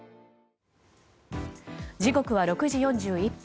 時刻は６時４１分。